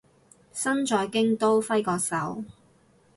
身在京都揮個手